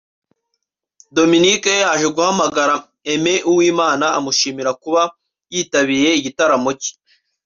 Dominic yaje guhamagara Aimé Uwimana amushimira kuba yitabiriye igitaramo cye